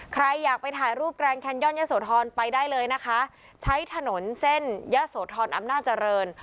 ใครอยากไปถ่ายรูปแรงแคนย่อนยะโสธรไปได้เลยนะคะใช้ถนนเส้นยะโสธรอำนาจเจริญ